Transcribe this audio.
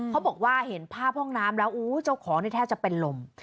เขาบอกว่าเห็นภาพห้องน้ำแล้วเจ้าของนี่แทบจะเป็นลม